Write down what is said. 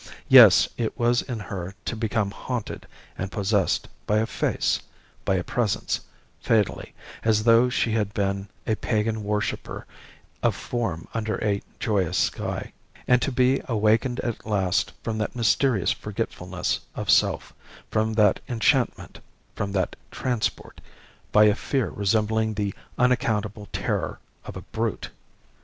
Yes, it was in her to become haunted and possessed by a face, by a presence, fatally, as though she had been a pagan worshipper of form under a joyous sky and to be awakened at last from that mysterious forgetfulness of self, from that enchantment, from that transport, by a fear resembling the unaccountable terror of a brute...."